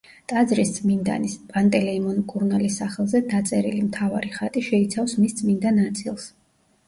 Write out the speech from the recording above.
ტაძრის წმინდანის, პანტელეიმონ მკურნალის სახელზე დაწერილი მთავარი ხატი შეიცავს მის წმინდა ნაწილს.